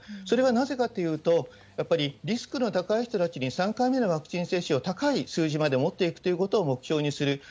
それはなぜかっていうと、やっぱりリスクの高い人たちに、３回目のワクチン接種を、高い数字まで持っていくということを目標にする。